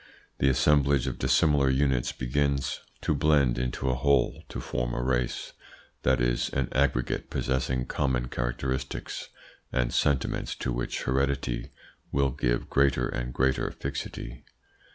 The assemblage of dissimilar units begins to blend into a whole, to form a race; that is, an aggregate possessing common characteristics and sentiments to which heredity will give greater and greater fixity.